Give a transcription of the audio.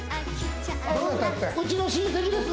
うちの親戚です